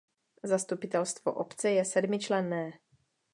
Zastupitelstvo obce je sedmičlenné.